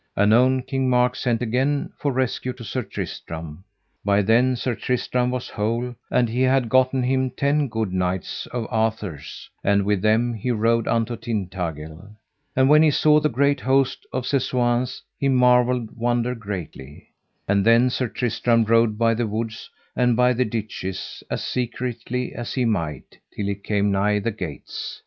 Anon King Mark sent again for rescue to Sir Tristram. By then Sir Tristram was whole, and he had gotten him ten good knights of Arthur's; and with them he rode unto Tintagil. And when he saw the great host of Sessoins he marvelled wonder greatly. And then Sir Tristram rode by the woods and by the ditches as secretly as he might, till he came nigh the gates.